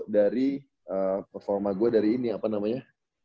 dari performa gue dari ini apa namanya